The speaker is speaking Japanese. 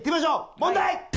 問題！